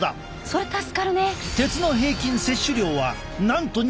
それ助かるね。